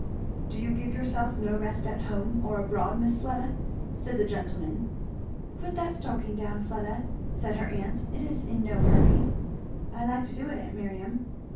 "Do you give yourself no rest at home or abroad, Miss Fleda?" said the gentleman. "Put that stocking down, Fleda," said her aunt, "it is in no hurry." "I like to do it, aunt Miriam."